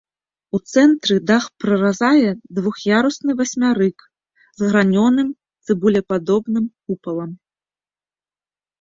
У цэнтры дах праразае двух'ярусны васьмярык з гранёным цыбулепадобным купалам.